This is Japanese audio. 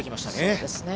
そうですね。